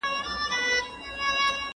¬ څه ژرنده پڅه، څه غنم لانده.